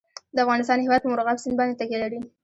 د افغانستان هیواد په مورغاب سیند باندې تکیه لري.